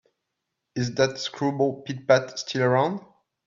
Is that screwball Pit-Pat still around?